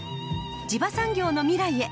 地場産業の未来へ！